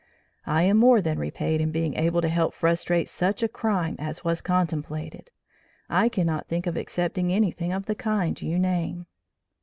"I am more than repaid in being able to help frustrate such a crime as was contemplated; I cannot think of accepting anything of the kind you name."